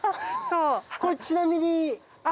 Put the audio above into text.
これちなみに。